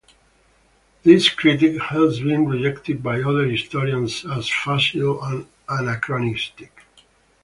This critique has been rejected by other historians as facile and anachronistic.